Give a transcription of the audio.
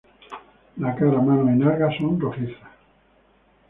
La cara, manos y nalgas son rojizas.